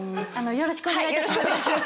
よろしくお願いします。